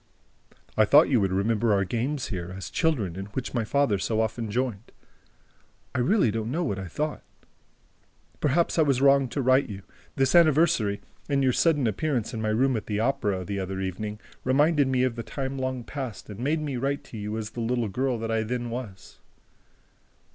"I thought you would remember our games here, as children, in which my father so often joined. I really don't know what I thought... Perhaps I was wrong to write to you ... This anniversary and your sudden appearance in my room at the Opera, the other evening, reminded me of the time long past and made me write to you as the little girl that I then was..."